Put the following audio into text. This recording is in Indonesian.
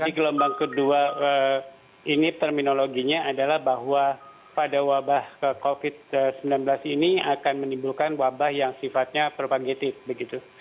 jadi gelombang kedua ini terminologinya adalah bahwa pada wabah covid sembilan belas ini akan menimbulkan wabah yang sifatnya propagated